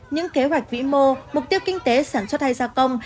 những kế hoạch vĩ mô mục tiêu kinh tế sản xuất hay gia công